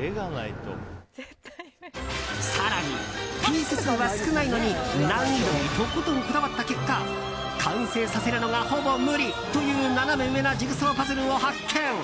更に、ピース数は少ないのに難易度にとことんこだわった結果完成させるのがほぼ無理！というナナメ上なジグソーパズルを発見。